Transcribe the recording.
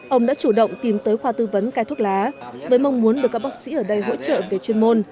ông đã chủ động tìm tới khoa tư vấn cai thuốc lá với mong muốn được các bác sĩ ở đây hỗ trợ về chuyên môn